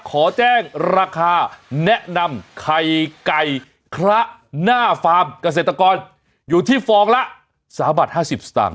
ขอแจ้งราคาแนะนำไข่ไก่คละหน้าฟาร์มเกษตรกรอยู่ที่ฟองละ๓บาท๕๐สตางค